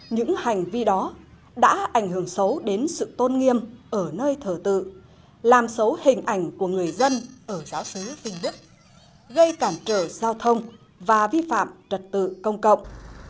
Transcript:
những hành vi đó đã ảnh hưởng xấu đến sự tôn nghiêm ở nơi thờ tự làm xấu hình ảnh của người dân ở giáo sứ vinh đức gây cản trở giao thông và vi phạm trật tự công cộng